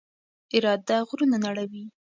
اراده غرونه نړوي.